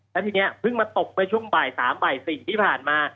และทีนี้เพิ่งมาตกไปช่วงบ่าย๓๔ที่ผ่านมา